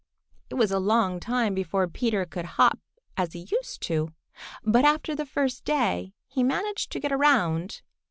It was a long time before Peter could hop as he used to, but after the first day he managed to get around.